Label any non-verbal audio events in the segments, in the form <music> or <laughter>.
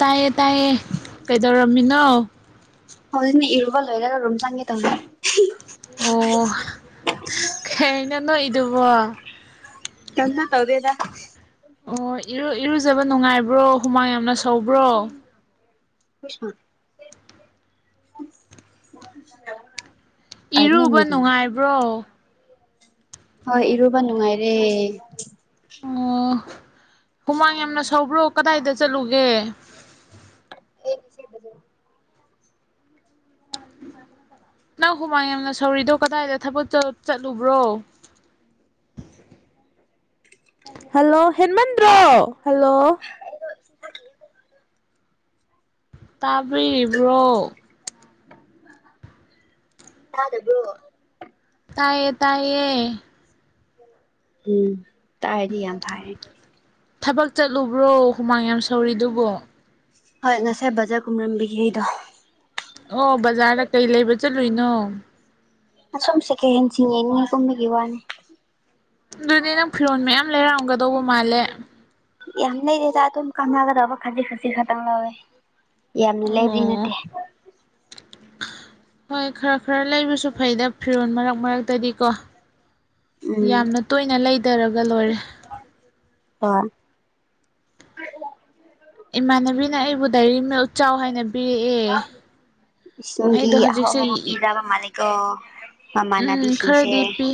ꯇꯥꯏꯌꯦ ꯇꯥꯏꯌꯦ ꯀꯩꯗꯧꯔꯝꯃꯤꯅꯣ ꯍꯧꯖꯤ ꯏꯔꯕꯜ ꯂꯣꯏꯔꯒ ꯔꯨꯝꯝ ꯆꯥꯡꯒꯦ ꯇꯧꯅ ꯑꯣ ꯀꯩꯅꯅꯣ ꯏꯗꯨꯕꯣ ꯀꯝꯃ ꯇꯧꯗꯦꯗ ꯑꯣ ꯏꯔꯨꯖꯕ ꯅꯨꯡꯉꯥꯏꯕ꯭ꯔꯣ ꯍꯨꯃꯥꯡ ꯌꯥꯝꯅ ꯁꯧꯕ꯭ꯔꯣ ꯄꯣ <unintelligible> ꯑꯗꯨ ꯏꯔꯨꯕ ꯅꯨꯃꯤꯗ ꯅꯨꯡꯉꯥꯏꯕ꯭ꯔꯣ ꯍꯣꯏ ꯏꯔꯨꯕ ꯅꯨꯡꯉꯥꯏꯔꯦ ꯑꯣ ꯍꯨꯃꯥꯡ ꯌꯥꯝꯅ ꯁꯕ꯭ꯔꯣ ꯀꯗꯥꯏꯗ ꯆꯠꯂꯨꯒꯦ ꯅꯪ ꯍꯨꯃꯥꯡ ꯌꯥꯝꯅ ꯁꯧꯔꯤꯗꯣ ꯀꯗꯥꯏꯗ ꯊꯕꯛ ꯆꯠꯂꯨꯕ꯭ꯔꯣ ꯍꯜꯂꯣ ꯍꯦꯟꯃꯟꯗ꯭ꯔꯣ ꯍꯜꯂꯣ ꯇꯥꯕꯤꯔꯤꯕ꯭ꯔꯣ ꯌꯥ ꯑꯗꯨ ꯇꯥꯏꯌꯦ ꯇꯥꯏꯌꯦ ꯎꯝ ꯇꯥꯏꯔꯤ ꯌꯥ ꯊꯔ ꯊꯕꯛ ꯆꯠꯂꯨꯕ꯭ꯔꯣ ꯍꯨꯃꯥꯡ ꯌꯥꯝ ꯁꯧꯔꯤꯗꯨꯕꯣ ꯍꯣꯏ ꯉꯁꯥꯏ ꯕꯖꯥꯔ ꯀꯨꯝꯔꯝꯕꯤꯒꯤꯅꯤꯗꯣ ꯑꯣ ꯕꯖꯥꯔꯗ ꯀꯩ ꯂꯩꯕ ꯆꯠꯂꯨꯏꯅꯣ ꯁꯣꯨꯝ ꯁꯦꯀꯦꯟ ꯍꯦꯟꯁꯤ ꯌꯦꯅꯤ ꯀꯨꯝꯕꯒꯤ ꯋꯥꯅꯤ ꯑꯗꯨꯅꯦ ꯅꯪ ꯐꯤꯣꯟ ꯃꯌꯥꯝ ꯂꯩꯔꯝꯑꯝꯒꯗꯧꯕ ꯃꯥꯜꯂꯦ ꯌꯥꯝ ꯅ ꯗꯦꯗ ꯇꯨ ꯀꯥꯟꯅꯒꯕ ꯈꯥꯖꯤ ꯈꯁꯤ ꯈꯃꯦ ꯑꯣ ꯍꯣꯏ ꯂꯩꯔꯦ ꯂꯩꯔꯦ ꯍꯣꯏ ꯈꯔ ꯈꯔ ꯂꯩꯕꯁꯨ ꯐꯩꯗ ꯐꯤꯔꯣꯜ ꯃꯔꯛ ꯃꯔꯛꯇꯗꯤ ꯀꯣ ꯌꯥꯝꯅ ꯇꯣꯏꯅ ꯂꯩꯊꯔꯒ ꯂꯣꯏꯔꯦ ꯍ ꯏꯃꯥꯟꯅꯕꯤꯅ ꯑꯩꯕꯨ ꯗꯥꯏꯔꯤ ꯃꯤꯜ ꯎꯆꯥꯎ ꯍꯥꯏꯅꯕꯤꯔꯛꯑꯦ ꯑꯣ ꯍꯧꯕ ꯄꯤ ꯌꯥꯕ ꯃꯥꯅꯤꯒ ꯎꯝ ꯈꯔꯗꯤ ꯄꯤ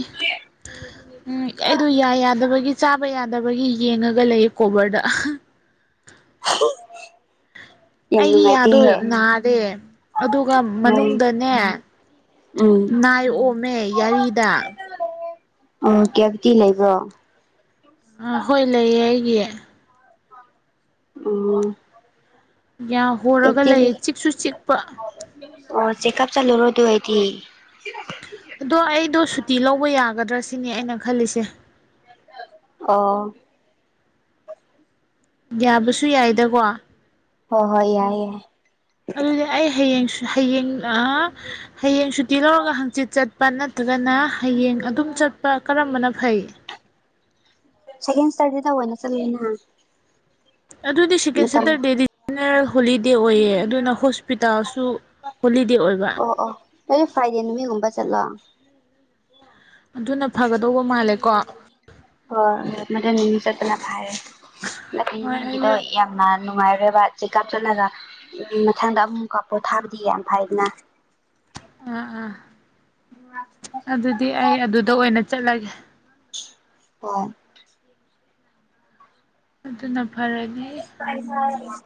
ꯎꯝ ꯑꯩꯗ ꯌꯥ ꯌꯥꯗꯕꯒꯤ ꯆꯥꯕ ꯌꯥꯗꯕꯒꯤ ꯌꯦꯡꯉꯒ ꯂꯩꯌꯦ ꯀꯣꯕꯔꯗ ꯍꯂꯣ ꯑꯩꯒꯤ ꯌꯥꯗꯣ ꯅꯥꯔꯦ ꯑꯗꯨꯒ ꯎꯝ ꯃꯅꯨꯡꯗꯅꯦ ꯎꯝ ꯅꯥꯏ ꯑꯣꯝꯃꯦ ꯌꯥꯔꯤꯗ ꯑꯣ ꯀꯌꯥꯇꯤ ꯂꯩꯕ꯭ꯔꯣ ꯑꯥ ꯍꯣꯏ ꯂꯩꯌꯦ ꯑꯩꯒꯤ ꯎꯝ ꯌꯥ ꯍꯣꯔꯒ ꯂꯩꯌꯦ ꯆꯤꯛꯁꯨ ꯆꯤꯛꯄ ꯑꯣ ꯆꯦꯛꯀꯑꯞ ꯆꯠꯂꯨꯔꯣ ꯑꯗꯨ ꯍꯥꯏꯗꯤ ꯀꯨꯏꯅꯥ ꯂꯩꯔꯅꯨ ꯁꯠ ꯁꯥꯠ ꯂꯛꯑꯣ ꯑꯗꯣ ꯑꯩꯗꯣ ꯁꯨꯇꯤ ꯂꯧꯕ ꯌꯥꯒꯗ꯭ꯔꯥ ꯁꯤꯅꯦ ꯑꯩꯅ ꯈꯜꯂꯤꯁꯦ ꯑꯣ ꯌꯥꯕꯁꯨ ꯌꯥꯏꯗꯀꯣ ꯍꯣꯏ ꯍꯣꯏ ꯌꯥꯏ ꯌꯥꯏ ꯑꯗꯨꯗꯤ ꯑꯩ ꯍꯌꯦꯡ ꯍꯌꯦꯡ ꯍꯌꯦꯡ ꯁꯨꯇꯤ ꯂꯧꯔꯒ ꯍꯪꯆꯤꯠ ꯆꯠꯄ ꯅ ꯅꯗ꯭ꯔꯒꯅ ꯍꯌꯦꯡ ꯑꯗꯨꯝ ꯆꯠꯄ ꯀꯔꯝꯕꯅ ꯐꯩ ꯁꯀꯦꯟ ꯁꯇꯔꯗꯤꯗꯅ ꯆꯠꯂꯁꯤꯅ ꯑꯗꯨꯗꯤ ꯁꯀꯦꯟꯁꯗꯔ ꯗꯦꯔꯤ ꯖꯦꯅꯔꯦꯜ ꯍꯣꯂꯤꯗꯦ ꯑꯣꯏꯌꯦ ꯑꯗꯨꯅ ꯍꯣꯁꯄꯤꯇꯥꯜꯁꯨ ꯍꯣꯂꯤꯗꯦ ꯑꯣꯏꯕ ꯑꯣ ꯑꯣ ꯅꯗꯨ ꯐ꯭ꯔꯥꯏꯗꯦ ꯅꯨꯃꯤꯠꯒꯨꯝꯕ ꯆꯠꯂꯣ ꯑꯗꯨꯅ ꯐꯒꯗꯧꯕ ꯃꯥꯜꯂꯦꯀꯣ ꯍꯣꯏ ꯃꯗꯨ ꯆꯠꯇꯅ ꯐꯔꯦ ꯍꯣꯏ ꯅꯪꯒꯤꯗꯣ ꯑꯩꯁꯨ ꯌꯥꯝꯅ ꯅꯨꯡꯉꯥꯏꯔꯣꯏꯕ ꯆꯦꯛꯀꯞ ꯆꯠꯂꯒ ꯃꯊꯪꯗ ꯑꯃꯨꯛꯀ ꯄꯣꯠ ꯊꯥꯕꯗꯤ ꯌꯥꯝ ꯐꯩꯗꯅ ꯑꯥ ꯑꯥ ꯑꯗꯨꯗꯤ ꯑꯩ ꯑꯗꯨꯗ ꯑꯣꯏꯅ ꯆꯠꯂꯒꯦ ꯍ ꯑꯗꯨꯅ ꯐꯔꯅꯤ ꯀ <inaudible>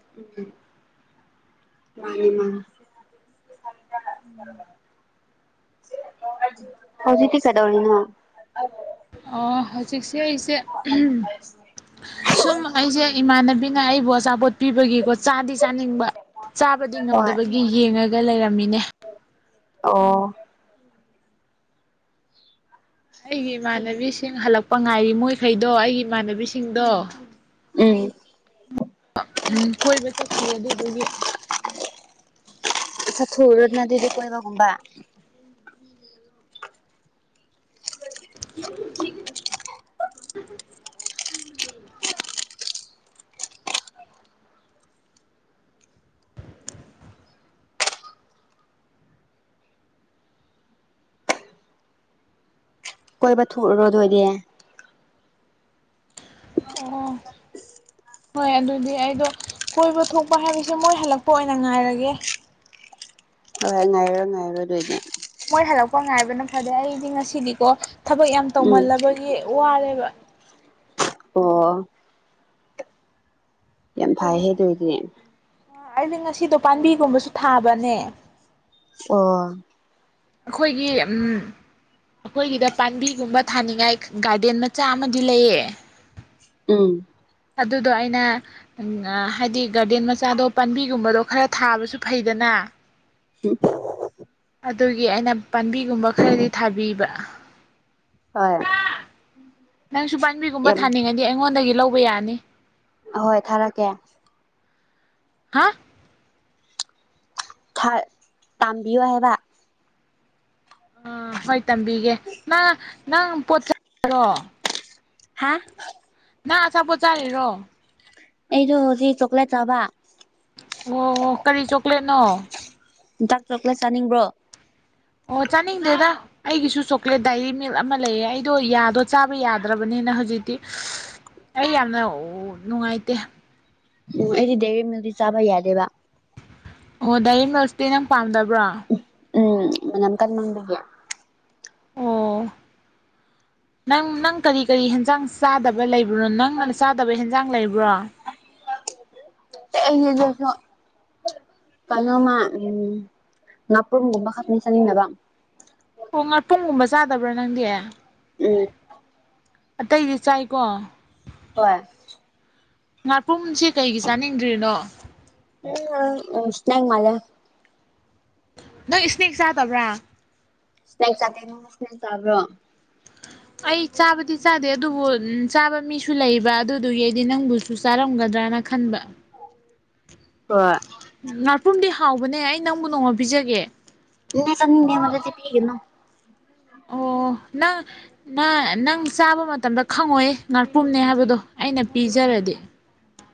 ꯃꯥꯅꯦ ꯃꯥꯅꯦ ꯍꯧꯖꯤꯛꯗꯤ ꯀꯗꯧꯔꯤꯅ ꯑꯩ ꯑꯣ ꯍꯧꯖꯤꯛꯁꯦ ꯑꯩꯁꯦ ꯁꯨꯝ ꯑꯩꯁꯦ ꯏꯃꯥꯟꯅꯕꯤꯅ ꯑꯩꯕꯨ ꯑꯆꯥꯄꯣꯠ ꯄꯤꯕꯒꯤꯀꯣ ꯆꯥꯗꯤ ꯆꯥꯅꯤꯡꯕ ꯆꯥꯕꯗꯤ ꯍꯣꯏ ꯉꯝꯗꯕꯒꯤ ꯌꯦꯡꯉꯒ ꯂꯩꯔꯝꯃꯤꯅꯦ ꯑꯣ ꯑꯩꯒꯤ ꯏꯃꯥꯟꯅꯕꯤꯁꯤꯡ ꯍꯜꯂꯛꯄ ꯉꯥꯏꯔꯤ ꯃꯣꯏꯈꯩꯗꯣ ꯑꯩꯒꯤ ꯏꯃꯥꯟꯅꯕꯤꯁꯤꯡꯗꯣ ꯎꯝ ꯎꯝ ꯀꯣꯏꯕ ꯆꯠꯈꯤ ꯑꯗꯨꯗꯨꯒꯤ ꯆꯥꯊꯣꯛꯎꯔꯣꯅꯗꯨꯗꯤ ꯀꯣꯏꯕ ꯀꯨꯝꯕ <inaudible> ꯀꯣꯏꯕ ꯊꯣꯛꯎꯔꯣꯗꯣꯏꯗꯤ ꯑꯣ ꯍꯣꯏ ꯑꯗꯨꯗꯤ ꯑꯩꯗꯣ ꯀꯣꯏꯕ ꯊꯣꯛꯄ ꯍꯥꯏꯕꯁꯦ ꯃꯣꯏ ꯍꯜꯂꯛꯄ ꯑꯣꯏꯅ ꯉꯥꯏꯔꯒꯦ ꯍꯣꯏ ꯍꯣꯏ ꯉꯥꯏꯔꯣ ꯉꯥꯏꯔꯣ ꯑꯗꯨ ꯑꯣꯏꯗꯤ ꯃꯣꯏ ꯍꯜꯂꯛꯄ ꯉꯥꯏꯕꯅ ꯐꯔꯦ ꯑꯩꯗꯤ ꯉꯁꯤꯗꯤꯀꯣ ꯊꯕꯛ ꯌꯥꯝ ꯎꯝ ꯇꯧꯃꯜꯂꯕꯒꯤ ꯋꯥꯔꯦꯕ ꯑꯣ ꯌꯥꯝ ꯐꯩ ꯗꯣꯏꯗꯤꯅꯦ ꯑꯩꯗꯤ ꯉꯁꯤꯗꯣ ꯄꯥꯝꯕꯤꯒꯨꯝꯕꯁꯨ ꯊꯥꯕꯅꯦ ꯑꯣ ꯑꯩꯈꯣꯏꯒꯤ ꯑꯩꯈꯣꯏꯒꯤꯗ ꯄꯥꯝꯕꯤꯒꯨꯝꯕ ꯊꯥꯅꯤꯡꯉꯥꯏ ꯒꯥꯔꯗꯦꯟ ꯃꯆꯥ ꯑꯃꯗꯤ ꯂꯩꯌꯦ ꯎꯝ ꯑꯗꯨꯗꯣ ꯑꯩꯅ ꯍꯥꯏꯗꯤ ꯒꯥꯔꯗꯦꯟ ꯃꯆꯥꯗꯣ ꯄꯥꯝꯕꯤꯒꯨꯝꯕꯗꯣ ꯈꯔ ꯊꯥꯕꯁꯨ ꯐꯩꯗꯅ ꯎꯝ ꯑꯗꯨꯒꯤ ꯑꯩꯅ ꯄꯥꯝꯕꯤꯒꯨꯝꯕ ꯈꯔꯗꯤ ꯊꯥꯕꯤꯕ ꯍꯣꯏ ꯅꯪꯁꯨ ꯄꯥꯥꯟꯝꯕꯤꯒꯨꯝꯕ ꯌꯥꯝ ꯊꯥꯅꯤꯡꯉꯅꯤ ꯑꯩꯉꯣꯟꯗꯒꯤ ꯂꯧꯕ ꯌꯥꯅꯤ ꯑꯍꯣꯏ ꯊꯥꯔꯛꯀꯦ ꯍꯥ ꯊꯥ ꯇꯝꯕꯤꯌꯦꯕ ꯑ ꯍꯣꯏ ꯇꯝꯕꯤꯒꯦ ꯅ ꯅꯪ ꯄꯣꯠ ꯆꯩꯔꯣ ꯍꯥꯥ ꯅꯪ ꯑꯆꯥꯄꯣꯠ ꯆꯥꯔꯤꯔꯣ ꯑꯩꯗꯣ ꯍꯧꯖꯤꯛ ꯆꯣꯀ꯭ꯂꯦꯠ ꯆꯥꯕ ꯑꯣ ꯀꯔꯤ ꯆꯣꯀ꯭ꯂꯦꯠꯅꯣ ꯇꯥꯛ ꯆꯣꯀꯂ꯭ꯦꯠ ꯆꯥꯅꯤꯡꯕ꯭ꯔꯣ ꯑꯣ ꯆꯥꯅꯤꯡꯗꯦꯗ ꯑꯩꯒꯤꯁꯨ ꯆꯣꯀ꯭ꯂꯦꯠ ꯗꯥꯏꯔꯤ ꯃꯤꯜꯛ ꯑꯃ ꯂꯩꯌꯦ ꯑꯩꯗꯣ ꯌꯥꯗꯣ ꯆꯥꯕ ꯌꯥꯗ꯭ꯔꯕꯅꯤꯅ ꯍꯧꯖꯤꯛꯇꯤ ꯑꯩ ꯌꯥꯝꯅ ꯅꯨꯡꯉꯥꯏꯇꯦ ꯑꯣ ꯑꯩꯗꯤ ꯗꯦꯔꯤ ꯃꯤꯜꯤ ꯆꯥꯕ ꯌꯥꯗꯦꯕ ꯑꯣ ꯗꯥꯏꯔꯤ ꯃꯁꯇꯤ ꯅꯪ ꯄꯥꯝꯗꯕ꯭ꯔꯣ ꯎꯝ ꯅꯝ ꯀꯜꯃꯪꯒ ꯑꯣ ꯅꯪ ꯅꯪ ꯀꯔꯤ ꯀꯔꯤ ꯍꯦꯟꯖꯥꯡ ꯆꯥꯗꯕ ꯂꯩꯕꯅꯣ ꯅꯪ ꯅꯪꯅ ꯆꯥꯗꯕ ꯍꯦꯟꯖꯥꯡ ꯂꯩꯕ꯭ꯔꯣ ꯑ ꯂꯁꯨ ꯀꯜꯣ ꯃꯥ ꯎ ꯉꯄ꯭ꯔꯒꯨꯝꯕꯥ ꯈꯞꯅꯤ ꯆꯅꯤ ꯅꯕ ꯍꯣꯡ ꯄꯨꯡꯒꯨꯝꯕ ꯆꯥꯗꯕ꯭ꯔꯥ ꯅꯪꯗꯤ ꯎꯝ ꯑꯇꯩꯗꯤ ꯆꯥꯏꯀꯣ ꯍꯣꯏ ꯉꯥꯄꯨꯝꯁꯦ ꯀꯩꯒꯤ ꯆꯥꯅꯤꯡꯗ꯭ꯔꯤꯅꯣ ꯎꯝ ꯅꯪ ꯃꯥꯂꯦ ꯅꯪ ꯏꯁꯅꯦꯛ ꯆꯥꯗꯕ꯭ꯔꯥ ꯁ꯭ꯁꯥꯇ꯭ꯁꯕ꯭ꯔꯣ ꯑꯩ ꯆꯥꯕꯗꯤ ꯆꯥꯗꯦ ꯑꯗꯨꯕꯨ ꯆꯥꯕ ꯃꯤꯁꯨ ꯂꯩꯕ ꯑꯗꯨꯗꯨꯒꯤ ꯑꯩꯗꯤ ꯅꯪꯕꯨꯁꯨ ꯆꯥꯔꯝꯒꯗ꯭ꯔꯥꯅ ꯈꯟꯕ ꯉꯥꯔꯄꯨꯝꯗꯤ ꯍꯥꯎꯕꯅꯦ ꯑꯩ ꯅꯪꯕꯨ ꯅꯣꯡꯉꯥ ꯄꯤꯖꯒꯦ ꯏ ꯆꯦ ꯃꯗꯤ ꯄꯤꯅꯣ ꯑꯣ ꯅ ꯅ ꯅꯪ ꯆꯥꯕ ꯃꯇꯝꯗ ꯈꯪꯉꯣꯏꯌꯦ ꯉꯥꯛꯄꯨꯝꯅꯦ ꯍꯥꯏꯕꯗꯣ ꯑꯩꯅ ꯄꯤꯖꯔꯗꯤ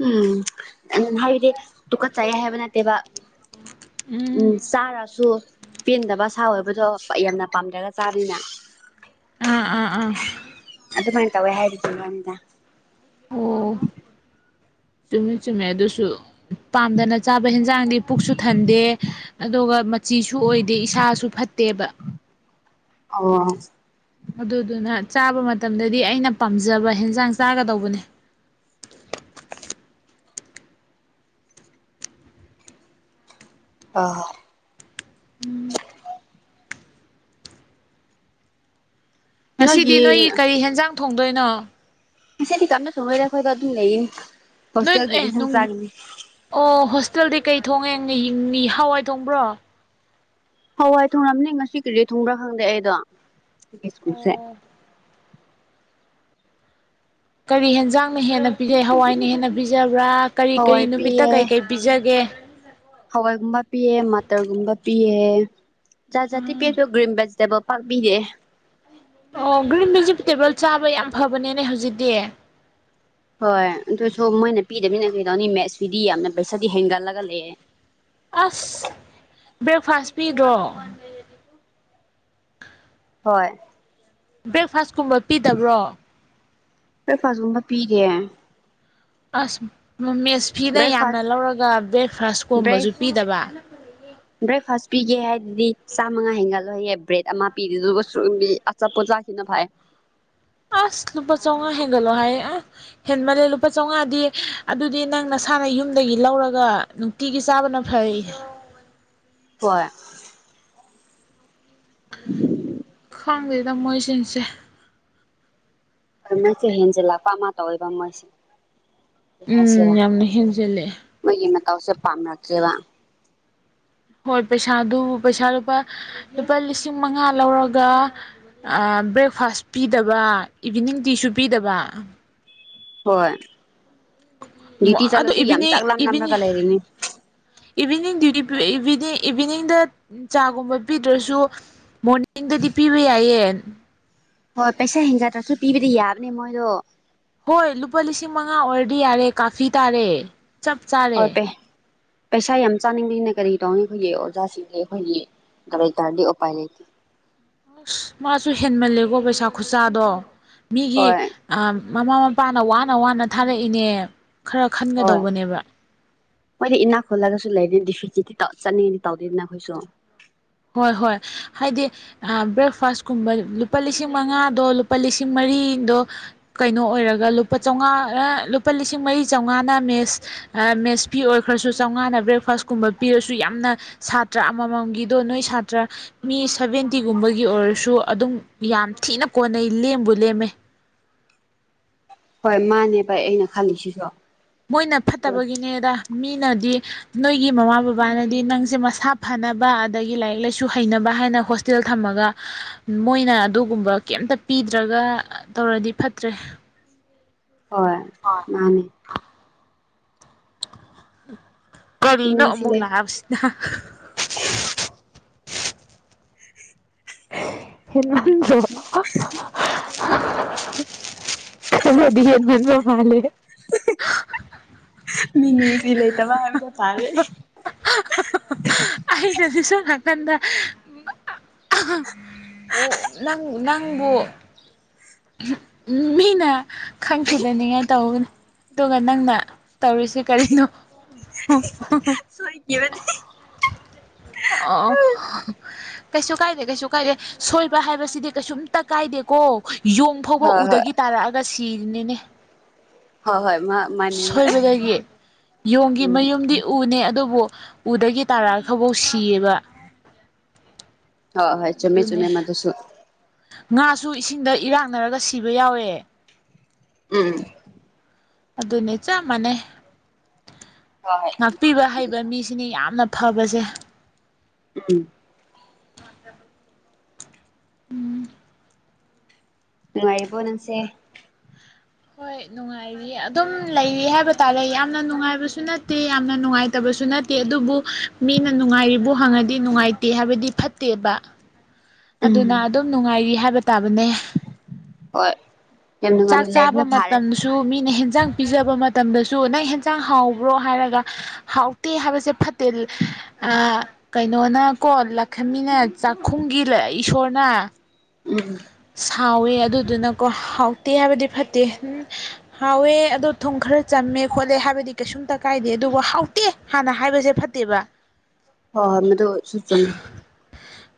ꯎꯝ ꯑꯗꯨꯅ ꯍꯥꯏꯕꯗꯤ ꯇꯨꯀꯠ ꯆꯥꯏꯌꯦ ꯍꯥꯏꯕ ꯅꯠꯇꯦꯕ ꯎꯝ ꯆꯥꯔꯁꯨ ꯄꯦꯟꯗꯕ ꯁꯥ ꯑꯣꯏꯕꯗꯣ ꯌꯥꯝꯅ ꯄꯥꯝꯗ꯭ꯔꯒ ꯆꯥꯔꯤꯅ ꯎꯝ ꯎꯝ ꯎꯝ ꯑꯗꯨꯃꯥꯏꯅ ꯇꯧꯋꯦ ꯍꯥꯏꯔꯤꯗꯤ ꯏꯕꯥꯅꯤꯗ ꯑꯣ ꯆꯨꯝꯃꯦ ꯆꯨꯝꯃꯦ ꯑꯗꯨꯁꯨ ꯄꯥꯝꯗꯅ ꯆꯥꯕ ꯍꯟꯖꯥꯡꯗꯤ ꯄꯨꯛꯁꯨ ꯊꯟꯗꯦ ꯑꯗꯨꯒ ꯃꯆꯤꯁꯨ ꯑꯣꯏꯗꯦ ꯏꯁꯥꯁꯨ ꯐꯠꯇꯦꯕ ꯑꯣ ꯑꯗꯨꯗꯨꯅ ꯆꯥꯕ ꯃꯇꯝꯗꯗꯤ ꯑꯩꯅ ꯄꯥꯝꯖꯕ ꯍꯟꯖꯥꯡ ꯆꯥꯒꯗꯧꯕꯅꯦ <unintelligible> <unintelligible> ꯉꯁꯤꯗꯤ ꯅꯣꯏꯒꯤ ꯀꯔꯤ ꯍꯦꯟꯖꯥꯡ ꯊꯣꯡꯗꯣꯏꯅꯣ ꯉꯗꯤ ꯌꯥꯝꯅ ꯊꯣꯡꯉꯔꯦ ꯑꯩꯈꯣꯏꯗ ꯑꯗꯨꯝ ꯂꯩꯌꯦ ꯅꯣꯏ ꯍꯣꯁꯇꯦꯜꯒꯤ ꯑꯦ ꯏꯟꯁꯥꯡ ꯅꯨꯡ ꯆꯥꯈꯤꯅꯤ ꯑꯣ ꯍꯣꯁꯇꯦꯜꯗꯤ ꯀꯩ ꯊꯣꯡꯉꯦꯡꯅꯤ ꯍꯋꯥꯏ ꯊꯣꯡꯕ꯭ꯔꯣ ꯍꯋꯥꯏ ꯊꯨꯡꯝꯅꯤ ꯉꯁꯤ ꯀꯔꯤꯖꯤ ꯊꯨꯡꯕ꯭ꯔꯥ ꯈꯪꯗꯦ ꯑꯩꯗꯣ ꯁ꯭ꯀꯨꯜꯁꯦ <inaudible> ꯀꯔꯤ ꯌꯦꯟꯖꯥꯡꯅ ꯍꯦꯟꯅ ꯄꯤꯖꯩ ꯍꯋꯥꯏꯅ ꯍꯦꯟꯅ ꯄꯤꯖꯕ꯭ꯔꯥ ꯀꯔꯤ ꯀꯔꯤ ꯍꯋꯥꯏ ꯅꯨꯃꯤꯠꯇ ꯄꯤꯌꯦ ꯀꯩꯀꯩ ꯄꯤꯖꯒꯦ ꯍꯋꯥꯏꯒꯨꯝꯕ ꯄꯤꯑꯦ ꯃꯥꯇꯔꯒꯨꯝꯕ ꯄꯤꯌꯦ ꯥꯖꯥꯠꯖꯥꯠ ꯄꯤꯔ꯭ꯁꯨ ꯒꯔ꯭ꯤꯟ ꯕꯦꯁꯤꯇꯕꯜ ꯄꯛꯄꯤꯔꯛꯑ ꯑꯣ ꯒ꯭ꯔꯤꯟ ꯚꯦꯖꯤꯇꯦꯕꯜ ꯆꯥꯕ ꯌꯥꯝ ꯐꯕꯅꯦꯅꯦ ꯍꯧꯖꯤꯛꯇꯤ ꯍꯣꯏ ꯑꯗꯨꯁꯨ ꯃꯣꯏꯅ ꯄꯤꯗꯕꯤꯅ ꯀꯩꯗꯧꯅꯤ ꯃꯦꯠꯁꯀꯤꯗꯤ ꯌꯥꯝꯅ ꯄꯩꯁꯥꯗꯤ ꯍꯦꯟꯒꯠꯂꯒ ꯂꯩꯑꯦ ꯑꯁ ꯕ꯭ꯔꯦꯛꯐꯥꯁ ꯄꯤꯗ꯭ꯔꯣ ꯍꯣꯏ ꯕ꯭ꯔꯦꯛꯐꯥꯁ ꯀꯨꯝꯕ ꯄꯤꯗꯕ꯭ꯔꯣ ꯀ ꯐꯖꯨꯝꯕ ꯄꯤꯒꯦ ꯑꯁ ꯃꯦꯁꯐꯤꯗ ꯌꯥꯝꯅ ꯕ꯭ꯔꯦꯛꯐꯥꯁ ꯂꯧꯔꯒ ꯕ꯭ꯔꯦꯛꯐꯥꯁꯀꯨꯝꯕꯁꯨ ꯕ꯭ꯔꯦꯛ ꯄꯤꯗꯕ ꯕ꯭ꯔꯦꯛꯐꯥꯁ ꯄꯤꯒꯦ ꯍꯥꯏꯗꯨꯗꯤ ꯆꯥꯝꯃꯉꯥ ꯍꯦꯟꯒꯠꯂꯣꯏꯍꯌꯦ ꯕ꯭ꯔꯦꯗ ꯑꯃ ꯄꯤꯗꯦꯗꯨꯒ ꯑꯆꯥꯄꯣꯠ ꯆꯥꯈꯤꯅ ꯐꯩꯌꯦ ꯑꯁ ꯂꯨꯄ ꯆꯝꯉꯥ ꯍꯦꯒꯜꯂꯣ ꯍ ꯍꯥꯏ ꯑ ꯍꯦꯟꯃꯜꯂꯦ ꯂꯨꯄꯥ ꯆꯥꯝꯉꯥꯗꯤ ꯑꯗꯨꯗꯤ ꯅꯪ ꯅꯁꯥꯅ ꯌꯨꯝꯗꯒꯤ ꯂꯧꯔꯒ ꯅꯨꯡꯇꯤꯒꯤ ꯆꯥꯕꯅ ꯐꯩ ꯍꯣꯏ ꯈꯪꯗꯦꯗ ꯃꯣꯏꯁꯤꯡꯁꯦ ꯃꯩꯁꯦ ꯍꯦꯟꯖꯜꯂꯛꯄ ꯑꯃ ꯇꯧ ꯑꯣꯏꯕ ꯃꯣꯏꯁꯦ ꯎꯝ ꯍꯥꯏꯁꯤꯔꯥ ꯌꯥꯝꯅ ꯍꯦꯟꯖꯤꯜꯂꯦ ꯃꯣꯏꯒꯤ ꯃꯇꯥꯎꯁꯦ ꯄꯥꯝꯅꯛꯇ꯭ꯔꯦꯕ ꯍꯣꯏ ꯄꯩꯁꯥꯗꯨ ꯄꯩꯁꯥ ꯂꯨꯄꯥ ꯂꯨꯄꯥ ꯂꯤꯁꯤꯡ ꯃꯉꯥ ꯂꯧꯔꯒ ꯕ꯭ꯔꯦꯛꯐꯥꯁ ꯄꯤꯗꯕ ꯏꯚꯤꯅꯤꯡ ꯇꯤꯁꯨ ꯄꯤꯗꯕ ꯍꯣꯏ ꯗꯤꯇꯤ ꯑꯗꯣ ꯆꯠꯂꯁꯨ ꯌꯥꯝ ꯏꯚꯤꯅꯤꯡ ꯆꯥꯛ ꯂꯥꯝ ꯂꯝꯅꯒ ꯏꯚꯤꯅꯤꯡ ꯂꯩꯔꯤꯅꯤ ꯏꯚꯤꯅꯤꯡ ꯗ꯭ꯌꯨꯇꯤꯅꯤꯡ ꯏꯚꯤꯅꯤꯡꯗ ꯆꯥꯒꯨꯝꯕ ꯄꯤꯗ꯭ꯔꯁꯨ ꯃꯣꯔꯅꯤꯡꯗꯗꯤ ꯄꯤꯕ ꯌꯥꯏꯌꯦ ꯍꯣꯏ ꯄꯩꯁꯥ ꯍꯦꯟꯖꯗ꯭ꯔꯁꯨ ꯄꯤꯕꯗꯤ ꯌꯥꯕꯅꯦ ꯃꯣꯏꯗꯣ ꯍꯣꯏ ꯂꯨꯄꯥ ꯂꯤꯁꯤꯡ ꯃꯉꯥ ꯑꯣꯏꯔꯗꯤ ꯌꯥꯔꯦ ꯀꯥꯐꯤ ꯇꯥꯔꯦ ꯆꯞ ꯆꯥꯔꯦ <unintelligible> ꯄꯩꯁꯥ ꯌꯥꯝ ꯆꯥꯅꯤꯡꯕꯅꯤꯅ ꯀꯔꯤ ꯇꯧꯅꯤ ꯑꯩꯈꯣꯏꯒꯤ ꯑꯣꯖꯥꯁꯤꯡꯁꯦ ꯑꯩꯈꯣꯏꯒꯤ ꯗꯥꯔ ꯇꯥꯔꯗꯤ ꯎꯄꯥꯏ ꯂꯩꯇꯦ ꯑꯁ ꯃꯥꯁꯨ ꯍꯦꯟꯃꯜꯂꯦꯀꯣ ꯄꯩꯁꯥ ꯈꯨꯠꯁꯥꯗꯣ ꯃꯤꯒꯤ ꯍꯣꯏ ꯃꯃꯥ ꯃꯄꯥꯅ ꯋꯥꯅ ꯋꯥꯅ ꯊꯥꯔꯛꯏꯅꯦ ꯈꯔ ꯍꯣꯏ ꯈꯟꯒꯗꯧꯕꯅꯦꯕ ꯃꯣꯏꯗꯤ ꯏꯅꯥꯛ ꯈꯨꯜꯂꯒꯁꯨ ꯂꯩꯔꯦ ꯗꯤ ꯐꯤ ꯆꯤꯗꯤꯤ ꯆꯠꯅꯤꯡꯉꯗꯤ ꯇꯧꯗꯦꯗꯅ ꯑꯩꯈꯣꯏꯁꯨ ꯍꯣꯏ ꯍꯣꯏ ꯍꯥꯏꯗꯤ ꯕ꯭ꯔꯦꯛꯐꯥꯁꯀꯨꯝꯕ ꯂꯨꯄꯥ ꯂꯤꯁꯤꯡ ꯃꯉꯥꯗꯣ ꯂꯨꯄꯥ ꯂꯤꯁꯤꯡ ꯃꯔꯤꯗꯣ ꯀꯩꯅꯣ ꯑꯣꯏꯔꯒ ꯂꯨꯄꯥ ꯆꯥꯝꯃꯉꯥ ꯂꯨꯄꯥ ꯂꯤꯁꯤꯡ ꯃꯔꯤ ꯆꯥꯝꯃꯉꯥꯅ ꯃꯦꯁ ꯃꯦꯁꯄꯤꯤ ꯑꯣꯏꯈ꯭ꯔꯁꯨ ꯆꯥꯝꯃꯉꯥꯅ ꯕ꯭ꯔꯦꯛꯐꯥꯁ ꯀꯨꯝꯕ ꯄꯤꯔꯁꯨ ꯌꯥꯝꯅ ꯁꯥꯇ꯭ꯔ ꯑꯃꯃꯝꯒꯤ ꯑꯗꯣ ꯅꯣꯏ ꯁꯥꯇ꯭ꯔ ꯃꯤ ꯁꯚꯦꯟꯇꯤꯒꯨꯝꯕꯒꯤ ꯑꯣꯏꯔꯁꯨ ꯑꯗꯨꯝ ꯌꯥꯝ ꯊꯤꯅ ꯀꯣꯟꯅꯩ ꯂꯦꯝꯕꯨ ꯂꯦꯝꯃꯦ ꯍꯣꯏ ꯃꯥꯅꯦ ꯕ ꯑꯩꯅ ꯈꯜꯂꯤꯁꯤꯁꯨ ꯃꯣꯏꯅ ꯐꯠꯇꯕꯒꯤꯅꯦꯗ ꯃꯤꯅꯗꯤ ꯅꯣꯏꯒꯤ ꯃꯃꯥ ꯕꯕꯥꯅꯗꯤ ꯅꯪꯁꯦ ꯃꯁꯥ ꯐꯅꯕ ꯑꯗꯒꯤ ꯂꯥꯏꯔꯤꯛ ꯂꯥꯏꯁꯨ ꯍꯩꯅꯕ ꯍꯥꯏꯅ ꯍꯣꯁꯇꯦꯜ ꯊꯝꯃꯒ ꯃꯣꯏꯅ ꯑꯗꯨꯒꯨꯝꯕ ꯀꯩꯝꯇ ꯄꯤꯗ꯭ꯔꯒ ꯇꯧꯔꯗꯤ ꯐꯠꯇ꯭ꯔꯦ ꯍꯣꯏ ꯃꯥꯅꯤ ꯀꯔꯤꯅꯦ ꯃꯤꯅꯨꯡꯁꯤ ꯑꯃꯃꯨꯛ ꯂꯩ ꯂꯥꯛꯑꯁꯤꯅ ꯍꯃ <unintelligible> ꯃꯤ ꯅꯨꯁꯤ ꯂꯩꯇꯕ ꯍꯥꯏꯗ ꯇꯥꯔꯦ <unintelligible> ꯑꯩꯅꯁꯨ ꯁꯝ ꯅꯥꯀꯟꯗ ꯑꯣ ꯅꯪ ꯅꯪꯕꯨ ꯃꯤꯅ ꯈꯪꯈꯤꯗꯅꯤꯡꯉꯥꯏ ꯇꯧꯒꯅꯤ ꯑꯗꯨꯒ ꯅꯪꯅ ꯇꯧꯔꯤꯁꯦ ꯀꯔꯤꯅꯣ ꯁꯣꯏ ꯀꯕꯗꯤ <unintelligible> ꯀꯩꯁꯨ ꯀꯥꯏꯗꯦ ꯀꯩꯁꯨ ꯀꯥꯏꯗꯦ ꯁꯣꯏꯕ ꯍꯥꯏꯕꯁꯤꯗꯤ ꯀꯩꯁꯨꯝꯇ ꯀꯥꯏꯗꯦꯀꯣ ꯌꯣꯡ ꯐꯥꯎꯕ ꯍꯣꯏ ꯍꯣꯏ ꯎꯗꯒꯤ ꯇꯥꯔꯛꯑꯒ ꯁꯤꯔꯤꯅꯤꯅꯦ ꯍꯣꯏ ꯍꯣꯏ ꯃꯥ ꯃꯥꯅꯦ ꯃꯥ ꯁꯣꯏꯕꯗꯒꯤ ꯌꯣꯡꯒꯤ ꯎꯝ ꯃꯌꯨꯝꯗꯤ ꯎꯅꯦ ꯑꯗꯨꯕꯨ ꯎꯗꯒꯤ ꯇꯥꯔꯛꯑꯈꯐꯧ ꯁꯤꯌꯦꯕ ꯍꯣꯏ ꯍꯣꯏ ꯆꯨꯝꯃꯦ ꯑꯗꯨꯅꯦ ꯆꯨꯝꯃꯦ ꯃ ꯑꯗꯨꯁꯨ ꯉꯥꯁꯨ ꯏꯁꯤꯡꯗ ꯏꯔꯥꯛꯅꯔꯒ ꯁꯤꯕ ꯌꯥꯎꯋꯦ ꯎꯝ ꯑꯗꯨꯅꯦ ꯆꯞ ꯃꯥꯟꯅꯩ ꯍꯣꯏ ꯍꯣꯏ ꯆꯨꯝꯃꯦ ꯉꯥꯛꯄꯤꯕ ꯆꯨꯝꯃꯦ ꯍꯩꯕ ꯃꯗꯨꯁꯨ ꯃꯤꯁꯤꯅꯤ ꯌꯥꯝꯅ ꯐꯕꯖꯦ ꯎꯝ ꯅꯨꯡꯉꯥꯏꯔꯤꯕꯣ ꯅꯪꯁꯦ ꯍꯣꯏ ꯅꯨꯡꯉꯥꯏ ꯑꯗꯨꯝ ꯂꯩꯔꯤ ꯍꯥꯏꯕ ꯇꯥꯔꯦ ꯌꯥꯝꯅ ꯅꯨꯡꯉꯥꯏꯕꯁꯨ ꯅꯠꯇꯦ ꯌꯥꯝꯅ ꯅꯨꯡꯉꯥꯏꯇꯕꯁꯨ ꯅꯠꯇꯦ ꯑꯗꯨꯕꯨ ꯃꯤꯅ ꯅꯨꯡꯉꯥꯏꯔꯤꯕ ꯍꯪꯉꯗꯤ ꯅꯨꯡꯉꯥꯏꯇꯦ ꯍꯥꯏꯕꯗꯤ ꯐꯠꯇꯦꯕ ꯎꯝ ꯑꯗꯨꯅ ꯑꯗꯨꯝ ꯅꯨꯡꯉꯥꯏꯔꯤ ꯍꯥꯏꯕ ꯇꯥꯕꯅꯦ ꯍꯣꯏ ꯌꯥꯝ ꯅꯨꯉꯥꯏꯅ ꯂꯩꯕꯅ ꯐꯥꯔꯦ ꯖꯨ ꯃꯤꯅ ꯍꯟꯖꯥꯡ ꯄꯤꯖꯥꯕ ꯃꯇꯝꯗꯁꯨ ꯅꯪ ꯍꯟꯖꯥꯡ ꯍꯥꯎꯕ꯭ꯔꯣ ꯍꯥꯏꯔꯒ ꯍꯥꯎ ꯇꯦ ꯍꯥꯏꯕꯁꯦ ꯐꯠꯇꯦ ꯑꯥ ꯀꯩꯅꯣꯅꯀꯣ ꯂꯥꯛꯈꯃꯤꯅ ꯆꯥꯛꯈꯨꯝꯒꯤ ꯏꯁꯣꯔꯅ ꯎꯝ ꯁꯥꯎꯋꯦ ꯑꯗꯨꯗꯨꯅꯀꯣ ꯍꯥꯎꯇꯦ ꯍꯥꯏꯕꯗꯤ ꯐꯠꯇꯦ ꯍꯨꯝ ꯍꯥꯎꯋꯦ ꯑꯗꯣ ꯊꯨꯝ ꯈꯔ ꯆꯝꯃꯦ ꯈꯣꯠꯂꯦ ꯍꯥꯏꯕꯗꯤ ꯀꯩꯁꯨꯝꯇꯥ ꯀꯥꯏꯗꯦ ꯑꯗꯨꯕꯨ ꯍꯥꯎꯇꯦ ꯍꯥꯟꯅ ꯍꯥꯏꯕꯖꯦ ꯐꯠꯇꯦꯕ ꯑꯣ ꯃꯗꯨ ꯁꯨ ꯆꯨꯝꯃꯦ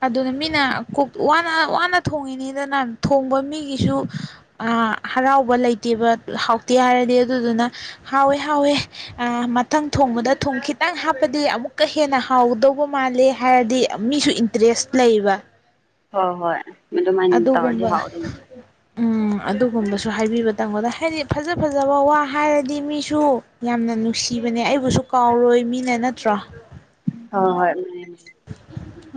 ꯑꯗꯨꯅꯦ ꯃꯤꯅ ꯀꯨꯛ ꯋꯥꯅ ꯋꯥꯅ ꯊꯣꯡꯉꯤꯅꯤꯗꯅ ꯊꯣꯡꯕ ꯃꯤꯒꯤꯁꯨ ꯍꯔꯥꯎꯕ ꯂꯩꯇꯦꯕ ꯍꯥꯎꯇꯦ ꯍꯥꯏꯔꯗꯤ ꯑꯗꯨꯗꯨꯅ ꯍꯥꯎꯋꯦ ꯍꯥꯎꯋꯦ ꯑꯥ ꯃꯊꯪ ꯊꯣꯡꯕꯗ ꯊꯨꯝ ꯈꯤꯇꯪ ꯍꯥꯞꯄꯗꯤ ꯑꯃꯨꯛꯀꯥ ꯍꯦꯟꯅ ꯍꯥꯎꯗꯧꯕ ꯃꯥꯜꯂꯦ ꯍꯥꯏꯔꯗꯤ ꯃꯤꯁꯨ ꯏꯟꯇ꯭ꯔꯦꯁ ꯂꯩꯕ ꯍꯣ ꯍꯣꯏ ꯑꯗꯨꯃꯥꯏꯟ ꯇꯧꯔꯗꯤ ꯑꯗꯨꯒꯨꯝꯕ ꯍꯥꯎꯗꯣꯏꯅꯦ ꯎꯝ ꯑꯗꯨꯒꯨꯝꯕꯁꯨ ꯍꯥꯏꯕꯤꯕ ꯇꯪꯝꯒꯗꯕ ꯍꯥꯏꯗꯤ ꯐꯖ ꯐꯖꯕ ꯋꯥ ꯍꯥꯏꯔꯗꯤ ꯃꯤꯁꯨ ꯌꯥꯝꯅ ꯅꯨꯡꯁꯤꯕꯅꯦ ꯑꯩꯕꯨꯁꯨ ꯀꯥꯎꯔꯣꯏ ꯃꯤꯅ ꯅꯠꯇ꯭ꯔꯣ ꯍꯣ ꯍꯣꯏ ꯃꯥꯅꯦ <inaudible>